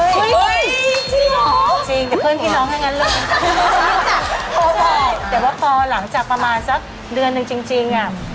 แต่ว่าพอหลังจากประมาณสักเดือนหนึ่งจริง